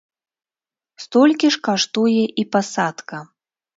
Столькі ж каштуе і пасадка.